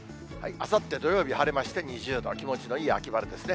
あさって土曜日晴れまして２０度、気持ちのいい秋晴れですね。